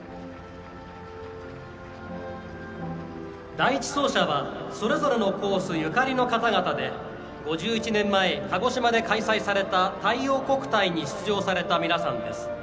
第１走者はそれぞれのコースゆかりの方々で５１年前、鹿児島県で開催された太陽国体に出場された皆さんです。